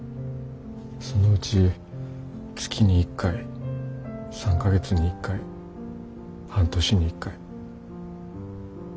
そのうち月に１回３か月に１回半年に１回。